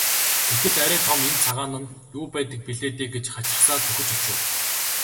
Гэтэл арай том энэ цагаан нь юу байдаг билээ дээ гэж хачирхсаар дөхөж очив.